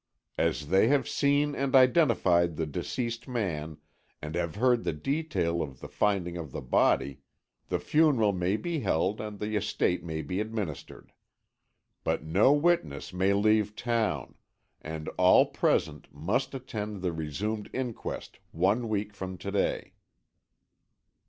As they have seen and identified the deceased man, and have heard the detail of the finding of the body, the funeral may be held and the estate may be administered. But no witness may leave town, and all present must attend the resumed inquest one week from to day."